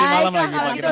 baiklah kalau gitu